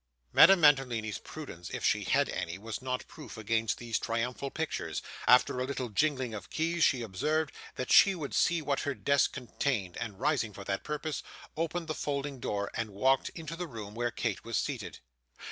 Madame Mantalini's prudence, if she had any, was not proof against these triumphal pictures; after a little jingling of keys, she observed that she would see what her desk contained, and rising for that purpose, opened the folding door, and walked into the room where Kate was seated.